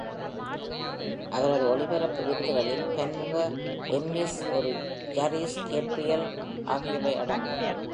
அவரது ஒளிபரப்பு விருதுகளில் பன்முக எம்மிஸ், ஒரு ஐரிஸ், கேப்ரியல் ஆகியவை அடங்கும்.